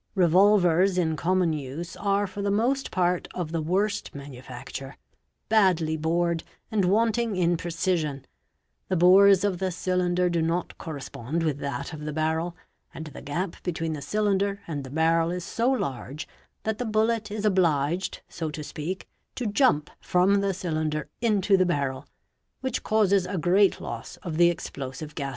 Revolvers in common use a for the most part of the worst manufacture, badly bored and wanting 1 precision ; the bores of the cylinder do not correspond with that of th barrel and the gap between the cylinder and the barrel is so large the the bullet is obliged, so to speak, to jump from the cylinder into th barrel, which causes a great loss of the explosive gases (see Chapter p.